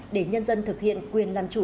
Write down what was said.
để nhân dân thực hiện quyền làm chủ